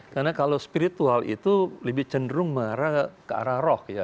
karena kalau spiritual itu lebih cenderung ke arah roh